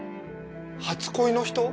初恋の人？